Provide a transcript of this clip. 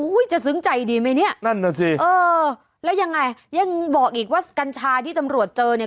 จะซึ้งใจดีไหมเนี่ยนั่นน่ะสิเออแล้วยังไงยังบอกอีกว่ากัญชาที่ตำรวจเจอเนี่ย